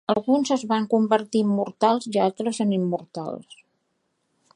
Alguns es van convertir en mortals i altres en immortals.